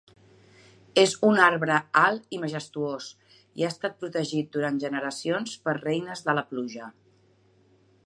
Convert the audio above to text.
És un arbre alt i majestuós i ha estat protegit durant generacions per reines de la pluja.